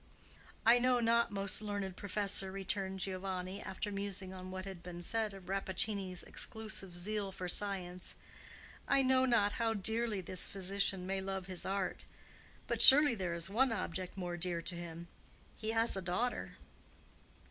"I know not, most learned professor," returned Giovanni, after musing on what had been said of Rappaccini's exclusive zeal for science,—"I know not how dearly this physician may love his art; but surely there is one object more dear to him. He has a daughter."